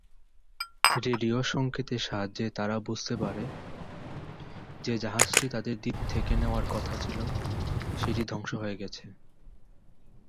Radio সংকেতের সাহায্যে তারা বুঝতে পারে, যে জাহাজটি তাদের দ্বীপ থেকে নেওয়ার কথা ছিল, সেটি ধ্বংস হয়ে গেছে।